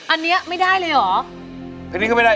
อันนี้ไม่ได้เลยหรอ